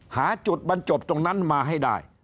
หาจุดบรรจบตรงนั้นมาให้ได้